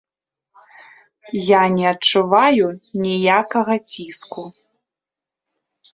Я не адчуваю ніякага ціску.